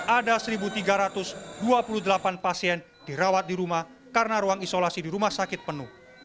ada satu tiga ratus dua puluh delapan pasien dirawat di rumah karena ruang isolasi di rumah sakit penuh